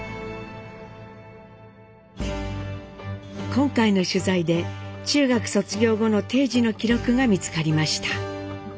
今回の取材で中学卒業後の貞次の記録が見つかりました。